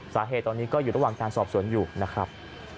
สาเหตุตอนนี้ก็อยู่ระหว่างการสอบสวนอยู่นะครับ